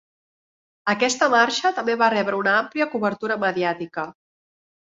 Aquesta marxa també va rebre una àmplia cobertura mediàtica.